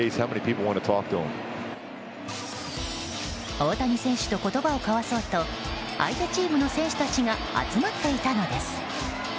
大谷選手と言葉を交わそうと相手チームの選手たちが集まっていたのです。